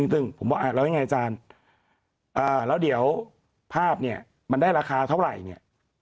ซึ่งผมบอกแล้วยังไงอาจารย์แล้วเดี๋ยวภาพเนี่ยมันได้ราคาเท่าไหร่เนี่ย